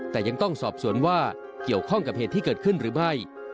แต่ยังต้องสอบสวนว่าเกี่ยวข้องกับเหตุที่เกิดขึ้นหรือไม่